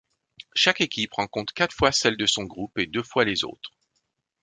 Chaque équipe rencontre quatre fois celles de son groupe et deux fois les autres.